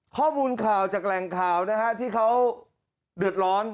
ข้อมูลข่าวจากแหล่งข่าวนะฮะที่เขาเดือดร้อน